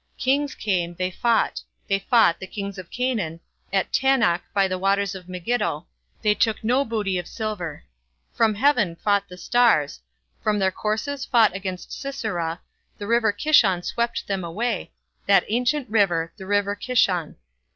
Kings came, they fought; They fought, the kings of Canaan, At Taanach by the Waters of Megiddo, They took no booty of silver. Prom heaven fought the stars, From their courses fought against Sisera, The river Kishon swept them away, That ancient river, the river Kishon.